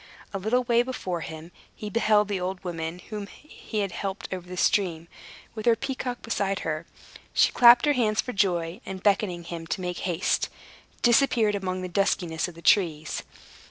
A little way before him, he beheld the old woman whom he had helped over the stream, with her peacock beside her. She clapped her hands for joy, and beckoning him to make haste, disappeared among the duskiness of the trees.